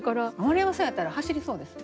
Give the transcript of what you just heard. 丸山さんやったら走りそうです。